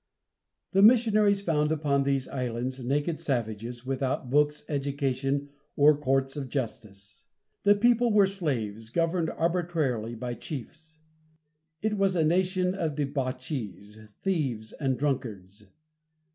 The missionaries found upon these islands naked savages, without books, education, or courts of justice. The people were slaves, governed arbitrarily by chiefs. It was a nation of debauchees, thieves and drunkards.